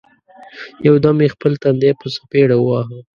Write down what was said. یو دم یې خپل تندی په څپېړه وواهه!